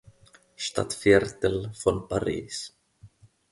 Stadtviertel von Paris.